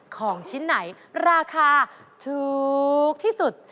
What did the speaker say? ของชิ้นไหนราคาถูกที่สุด